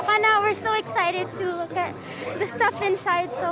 karena kita sangat teruja untuk melihat hal hal di dalam